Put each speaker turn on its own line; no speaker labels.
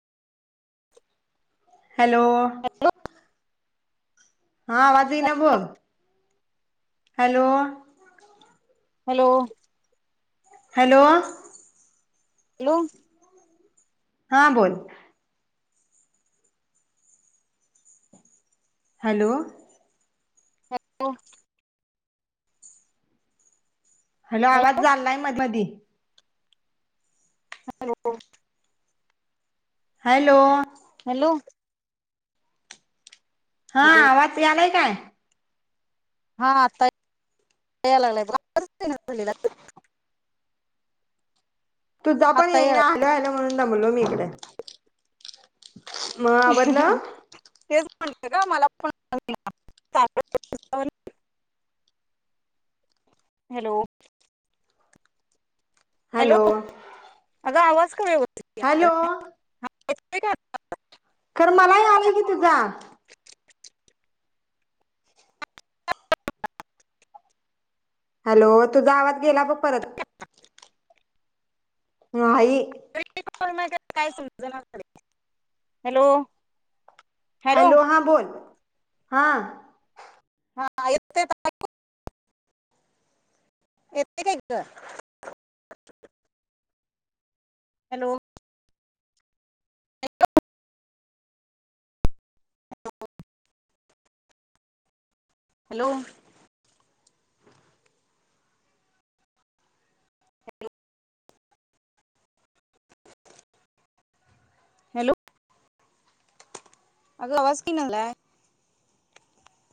Hello
hello
हा आवाज येईना बघ हॅलो
हॅलो
हॅलो
हॅलो
हा बोल हॅलो
हॅलो
हॅलो आवाज चाललाय मधमदी
हॅलो
हॅलो
हॅलो
हा
हॅलो
आवाज यालाय काय
हा आत्ता या लागलाय [inaudible]
तुझा पण
आता याय
येईना हॅलो हॅलो म्हणून दमलो मी कडे मग आवरलं
तेच [inaudible] हॅलो
हॅलो
अग आवाज कमी
हॅलो
[inaudible]
खरं मला यायलाय की तुझा हॅलो तुझा आवाज गेला बघ परत ह नाही
[inaudible] काय समजना झालय हॅलो
हॅलो हा बोल हां
येताय काय आयकु? येतय काय ग? Hello hello hello hello hello hello अग आवाज की ना झालाय